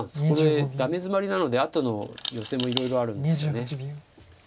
これダメヅマリなのであとのヨセもいろいろあるんですよね。